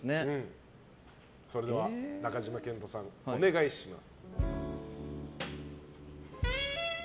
それでは、中島健人さんお願いします。